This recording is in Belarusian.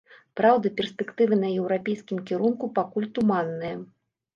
Праўда, перспектывы на еўрапейскім кірунку пакуль туманныя.